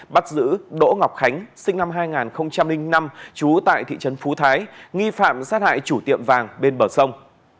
bắt giữ đỗ ngọc khánh sinh năm hai nghìn năm trú tại thị trấn phú thái nghi phạm sát hại chủ tiệm vàng bên bờ sông